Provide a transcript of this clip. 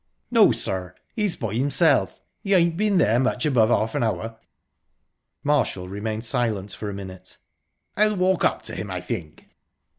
"No, sir, he's by himself. He ain't been there much above half an hour." Marshall remained silent for a minute. "I'll walk up to him, I think."